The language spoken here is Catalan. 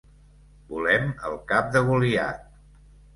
Volem el cap de Goliat.